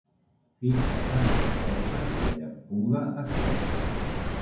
Fins a Santa Teresa, la llampuga estesa.